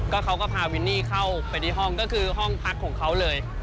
เขาก็พาวินนี่เข้าไปในห้องก็คือห้องพักของเขาเลย